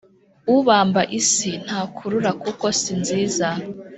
ubamba isi ntakururakuko sinziza